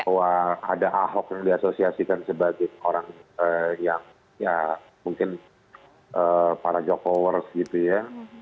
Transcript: bahwa ada ahok yang diasosiasikan sebagai orang yang ya mungkin para jokowers gitu ya